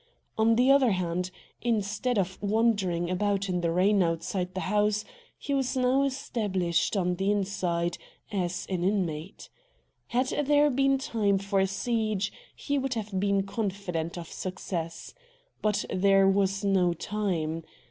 On the other hand, instead of wandering about in the rain outside the house, he was now established on the inside, and as an inmate. Had there been time for a siege, he would have been confident of success. But there was no time.